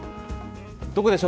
どこでしょう。